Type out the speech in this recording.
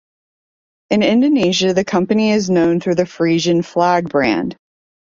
In Indonesia the company is known through the "Frisian Flag" brand.